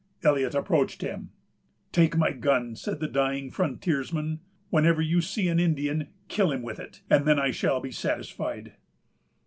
Eliot approached him. "Take my gun," said the dying frontiersman. "Whenever you see an Indian, kill him with it, and then I shall be satisfied."